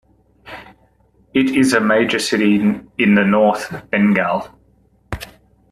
It is a major city in the north Bengal.